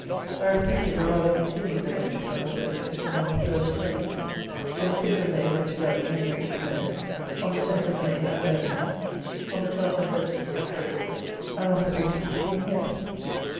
I repeated, or rather continued, the lecturing, on the 30th, and on the 3rd of May. On the 6th of May went to Dudley, and lectured there: on the 10th of May, at Birmingham; on the 12th and 13th, at Shrewsbury; and on the 14th, came here.